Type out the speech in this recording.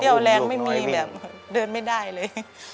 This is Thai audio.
เดี่ยวแรงไม่มีเดินไม่ได้เลย